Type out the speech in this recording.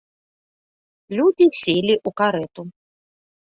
Людзі селі ў карэту.